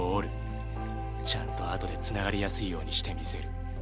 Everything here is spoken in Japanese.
ちゃんと後でつながりやすいようにしてみせる。